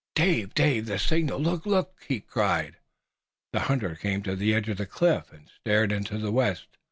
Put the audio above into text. "Dave! Dave! The signal! Look! Look!" he cried. The hunter came to the edge of the cliff and stared into the west.